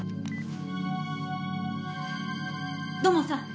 土門さん！